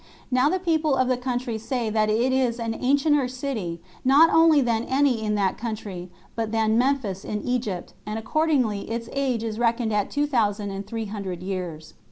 Now the people of the country say that it is an ancienter city, not only than any in that country, but than Memphis in Egypt, and accordingly its age is reckoned at two thousand and three hundred years.